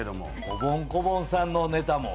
おぼん・こぼんさんのネタも。